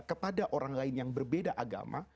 kepada orang lain yang berbeda agama